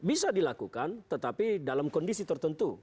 bisa dilakukan tetapi dalam kondisi tertentu